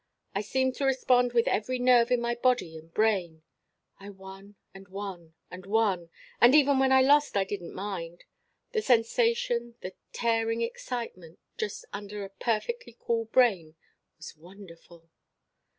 I seemed to respond with every nerve in my body and brain. I won and won and won, and even when I lost I didn't mind. The sensation, the tearing excitement just under a perfectly cool brain was wonderful.